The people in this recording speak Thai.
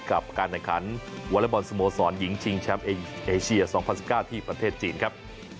กับการจัดขันวลบอนสโมสรหญิงชิงชัมเอเชีย๒๐๑๙ที่ประเทศจีนครับ